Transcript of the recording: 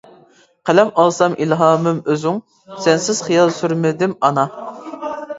قەلەم ئالسام ئىلھامىم ئۆزۈڭ، سەنسىز خىيال، سۈرمىدىم ئانا.